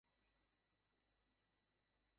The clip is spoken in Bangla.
বিদ্যালয়ের প্রধান শিক্ষক জনাব মোহাম্মদ জাফর আহমদ।